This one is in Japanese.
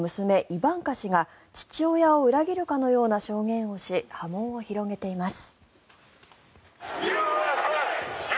イバンカ氏が父親を裏切るかのような証言をし波紋を広げています。